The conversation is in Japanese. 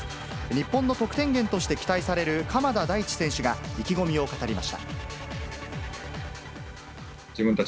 日本の得点源として期待される、鎌田大地選手が意気込みを語りました。